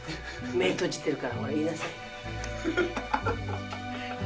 目閉じてるからほら言いなさい！